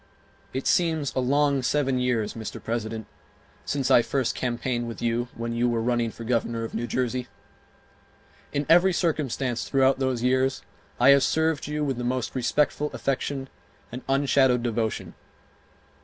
It seems a long seven years, Mr. President, since I first campaigned with you when you were running for Governor of New Jersey. In every circumstance throughout those years I have served you with the most respectful affection and unshadowed devotion.